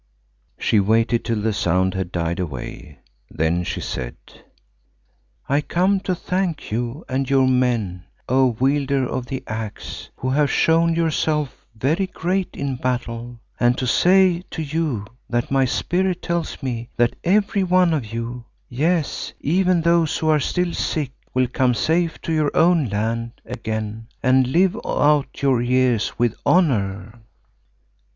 She waited till the sound had died away. Then she said, "I come to thank you and your men, O Wielder of the Axe, who have shown yourself very great in battle, and to say to you that my Spirit tells me that every one of you, yes, even those who are still sick, will come safe to your own land again and live out your years with honour."